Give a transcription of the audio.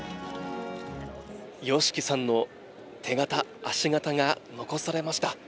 ＹＯＳＨＩＫＩさんの手形・足形が残されました。